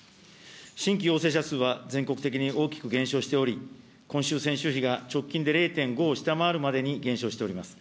新規陽性者数は全国的に大きく減少しており、今週、先週比が直近で０．５を下回るまでに減少しております。